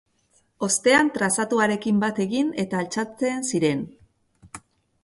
Ostean trazatuarekin bat egin eta altxatzen ziren.